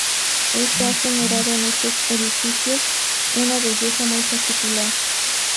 Esto ha generado en estos edificios una belleza muy particular.